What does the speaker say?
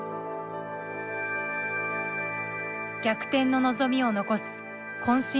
逆転の望みを残すこん